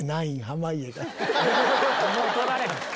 もう取られへん。